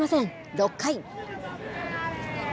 ６回。